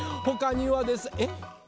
ほかにはですえっ？